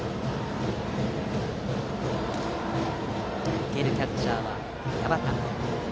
受けるキャッチャーは八幡。